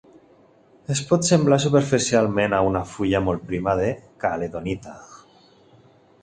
Es pot semblar superficialment a una fulla molt prima de caledonita.